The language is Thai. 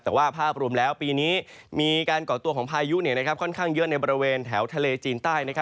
แต่ว่าภาพรวมแล้วปีนี้มีการก่อตัวของพายุค่อนข้างเยอะในบริเวณแถวทะเลจีนใต้